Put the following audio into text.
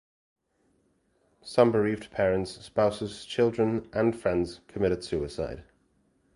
Some bereaved parents, spouses, children, and friends committed suicide.